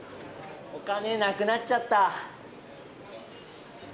お金なくなっちゃった。